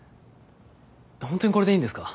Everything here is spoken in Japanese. ほんとにこれでいいんですか？